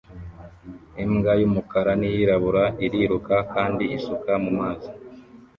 Imbwa y'umukara n'iyirabura iriruka kandi isuka mu mazi